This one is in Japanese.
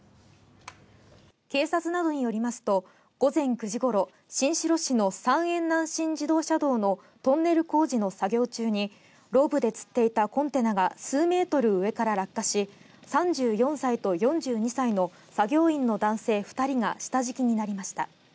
警察などによりますと午前９時ごろ新城市の三遠南信自動車道のトンネル工事の作業中にロープでつっていたコンテナが数メートル上から落下し３４歳と４２歳の作業員の男性２人が下敷きになりました。